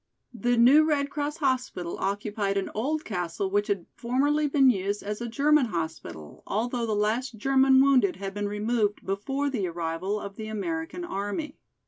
The new Red Cross hospital occupied an old castle which had formerly been used as a German hospital, although the last German wounded had been removed before the arrival of the American army.